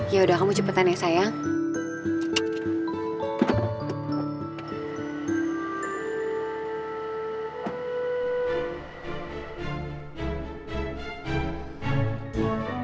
yaudah kamu cepetan ya sayang